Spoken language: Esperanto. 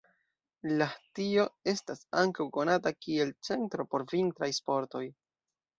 Lahtio estas ankaŭ konata kiel centro por vintraj sportoj.